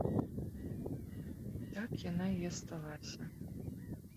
Так яна і асталася.